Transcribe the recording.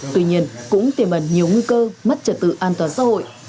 tuy nhiên cũng tiềm ẩn nhiều nguy cơ mất trật tự an toàn xã hội